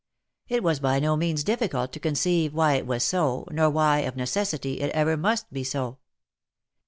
It was by no means difficult to conceive why it was so, nor why of necessity it ever must be so.